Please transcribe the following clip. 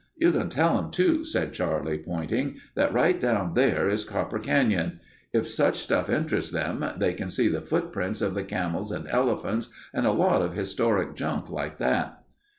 "... You can tell 'em too," said Charlie pointing, "that right down there is Copper Canyon. If such stuff interests them, they can see the footprints of the camels and elephants and a lot of historic junk like that."